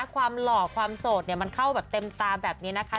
ความหล่อความโสดมันเข้าแบบเต็มตาแบบนี้นะคะ